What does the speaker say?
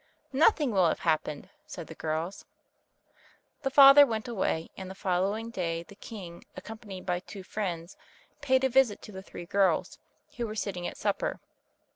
"Nothing will have happened," said the girls. The father went away, and the following day the king, accompanied by two friends, paid a visit to the three girls, who were sitting at supper.